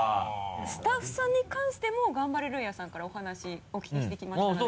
スタッフさんに関してもガンバレルーヤさんからお話お聞きしてきましたので。